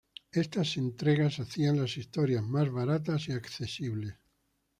Estas entregas hacían las historias más baratas y accesibles.